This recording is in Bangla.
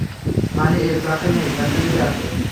মানে এই বাক্সে নেই, ফ্যাক্টরিতে আছে।